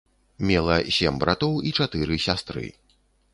Мела сем братоў і чатыры сястры.